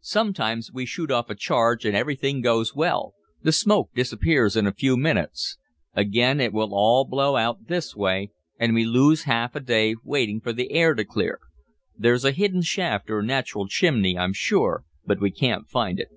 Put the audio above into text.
Sometimes we shoot off a charge and everything goes well, the smoke disappears in a few minutes. Again it will all blow out this way and we lose half a day waiting for the air to clear. There's a hidden shaft, or natural chimney, I'm sure, but we can't find it."